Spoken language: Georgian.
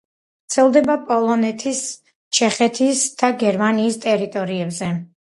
ვრცელდება პოლონეთის, ჩეხეთისა და გერმანიის ტერიტორიებზე.